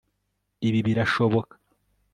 Ibi birashoboka